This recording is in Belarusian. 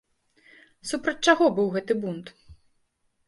Супраць чаго быў гэты бунт?